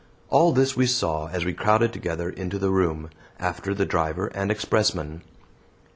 All this we saw as we crowded together into the room, after the driver and expressman.